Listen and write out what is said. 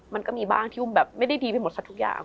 มันก็มีบ้างที่อุ้มแบบไม่ได้ดีไปหมดสักทุกอย่าง